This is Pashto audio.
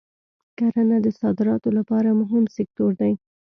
کرنه د صادراتو لپاره مهم سکتور دی.